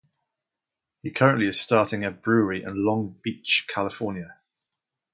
He currently is starting a brewery in Long Beach, California.